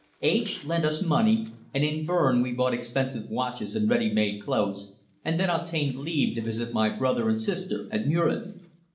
H. lent us money, and in Berne we bought expensive watches and ready made clothes, and then obtained leave to visit my brother and sister at Mürren.